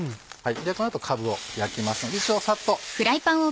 じゃこの後かぶを焼きますので一応サッと。